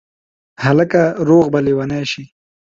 هلکه روغ به لېونی شې